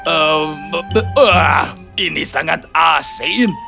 oh wah ini sangat asin